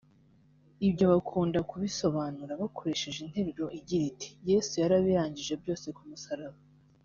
ibyo bakunda kubisobanura bakoresheje interuru igira iti “Yesu yarabirangije byose ku musaraba”